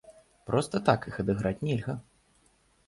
Проста так іх адыграць нельга.